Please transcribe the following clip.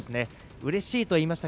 うれしいと言いました。